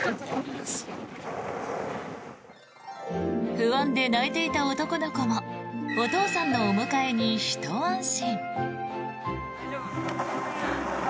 不安で泣いていた男の子もお父さんのお迎えにひと安心。